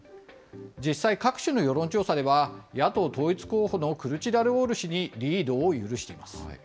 実際、各種の世論調査では、野党統一候補のクルチダルオール氏にリードを許しています。